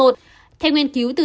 theo nghiên cứu từ